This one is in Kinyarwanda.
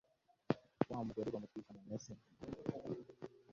wa mugore bamutwikana na se